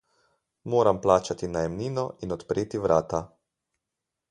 Moram plačati najemnino in odpreti vrata.